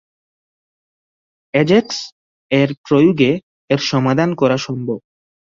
এজ্যাক্স-এর প্রয়োগে এর সমাধান করা সম্ভব।